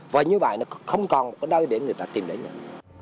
và như vậy nó không còn một nơi để người ta tìm để nhận